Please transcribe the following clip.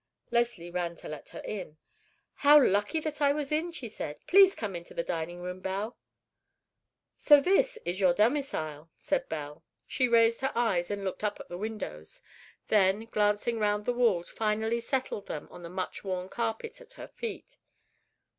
Leslie ran to let her in. "How lucky that I was in," she said. "Please come into the dining room, Belle." "So this is your domicile," said Belle. She raised her eyes, and looked up at the windows; then glancing round the walls, finally settled them on the much worn carpet at her feet.